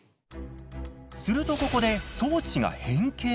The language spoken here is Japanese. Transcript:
するとここで装置が変形。